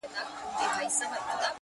لار سوه ورکه له سپاهیانو غلامانو؛